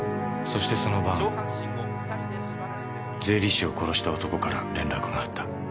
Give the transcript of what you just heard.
そしてその晩税理士を殺した男から連絡があった。